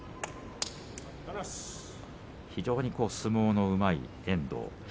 非常に相撲のうまい遠藤。